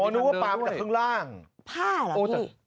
อ๋อนึกว่าปั๊กแต่ขึ้นล่างผ้าหรอพี่